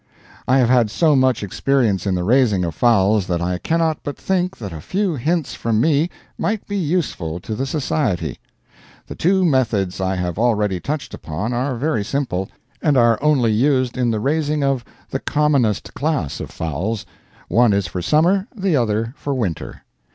I have had so much experience in the raising of fowls that I cannot but think that a few hints from me might be useful to the society. The two methods I have already touched upon are very simple, and are only used in the raising of the commonest class of fowls; one is for summer, the other for winter.